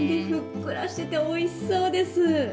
ふっくらしてておいしそうです。